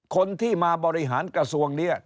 คนที่มาบริหารกระทรวงนี้